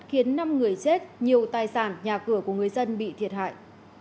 khiến năm người chết nhiều tài sản nhà cửa của người dân bị thiệt hại